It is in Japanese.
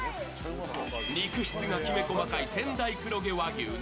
肉質がきめ細かい仙台黒毛和牛に